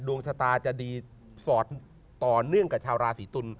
ดวงชะตาจะดีสอดต่อเนื่องกับชาวราศีตุล